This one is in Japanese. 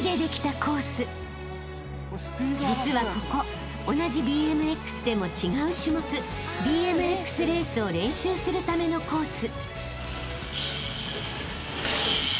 ［実はここ同じＢＭＸでも違う種目ＢＭＸレースを練習するためのコース］